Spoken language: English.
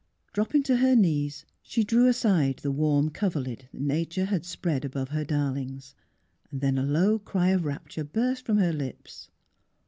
Dropping to her knees she drew aside the warm coverlid nature had spread above her darlings. Then a low cry of rapture burst from her lips.